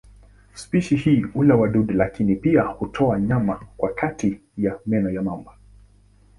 Spishi hii hula wadudu lakini pia hutoa nyama kwa kati ya meno ya mamba.